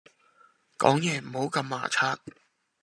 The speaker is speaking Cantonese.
講嘢唔好咁牙擦